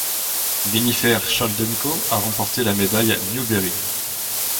Gennifer Choldenko a remporté la médaille Newbery.